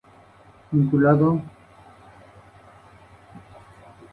En la guerra de Vespasiano contra Vitelio se declararon a favor del primero.